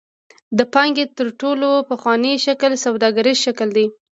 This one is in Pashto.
د پانګې تر ټولو پخوانی شکل سوداګریز شکل دی.